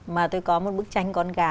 mà tôi có một bức tranh con gà